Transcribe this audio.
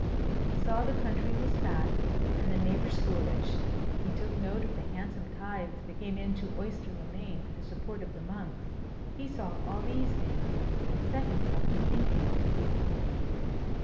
He saw the country was fat and the neighbours foolish. He took note of the handsome tithes that came in to Oyster le Main for the support of the monks. He saw all these things, and set himself to thinking.